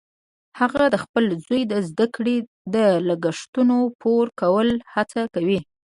هغه د خپل زوی د زده کړې د لګښتونو پوره کولو هڅه کوي